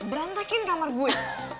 berantakin kamar gue